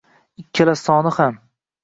- Ikkala soni ham...